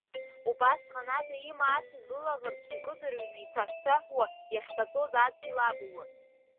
Убасҟан ада имаацыз лылаӷырӡқәа икыдыҩрны ицаҳә-цаҳәуа иахькаҭәоз адгьыл абылуан.